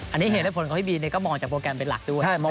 อันนี้เหตุและผลของพี่บีก็มองจากโปรแกรมเป็นหลักด้วย